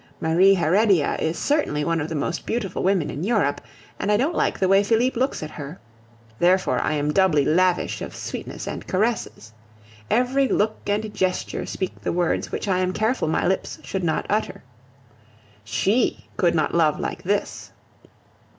Marie Heredia is certainly one of the most beautiful women in Europe, and I don't like the way Felipe looks at her. Therefore I am doubly lavish of sweetness and caresses. Every look and gesture speak the words which I am careful my lips should not utter, "She could not love like this!"